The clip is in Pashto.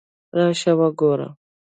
راشه وګوره!